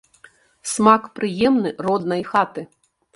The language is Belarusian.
Смак прыемны роднай хаты.